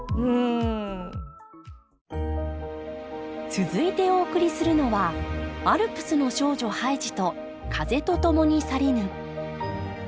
続いてお送りするのは「アルプスの少女ハイジ」と「風と共に去りぬ」